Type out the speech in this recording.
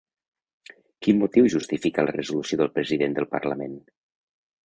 Quin motiu justifica la resolució del president del parlament?